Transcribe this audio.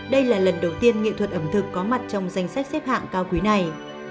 đây là lần đầu tiên nghệ thuật ẩm thực có mặt trong danh sách xếp hạng cao quý này